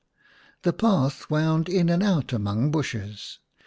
The path wound in and out among bushes.